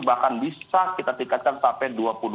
bahkan bisa kita tingkatkan sampai dua puluh dua